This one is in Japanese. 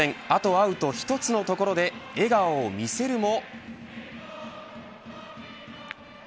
アウト１つのところで笑顔を見せるも。